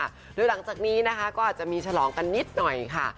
หรือหลังจากนี้นะคะก็อาจจะมีฉลองกันนิดหน่อยค่ะ